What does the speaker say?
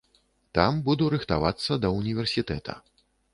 Таму буду рыхтавацца да ўніверсітэта.